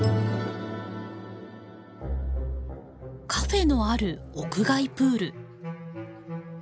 カフェのある屋外プール。